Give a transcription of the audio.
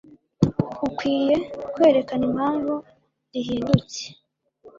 ukwiye kwerekana impamvu rihindutse